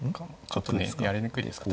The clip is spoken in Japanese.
ちょっとねやりにくいですか。